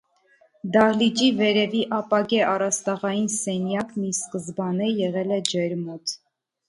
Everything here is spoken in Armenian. Դահլիճի վերևի ապակե առաստաղային սենյակն ի սկզբանե եղել է ջերմոց։